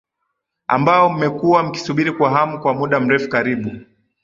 ambao mmekuwa mkisubiri kwa hamu kwa muda mrefu karibu